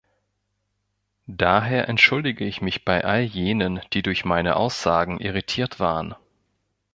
Daher entschuldige ich mich bei all jenen, die durch meine Aussagen irritiert waren.